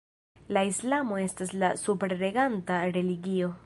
La islamo estas la superreganta religio.